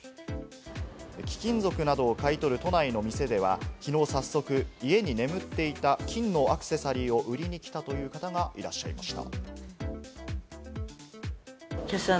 貴金属などを買い取る都内の店では、きのう早速、家に眠っていた金のアクセサリーを売りに来たという方がいらっしゃいました。